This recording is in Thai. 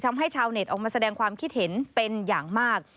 ชาวเน็ตออกมาแสดงความคิดเห็นเป็นอย่างมาก